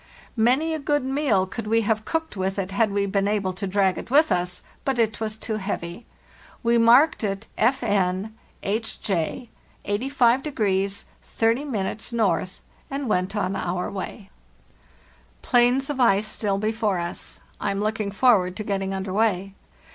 Many a good meal could we have cooked with it had we been able to drag it with us, but it was too heavy. We marked it 'F. N., H. J., 85° 30' N., and went on our way. * Plains of ice still before us. I am looking forward to getting under way.